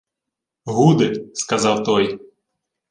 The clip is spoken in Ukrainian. — Гуди, — сказав той.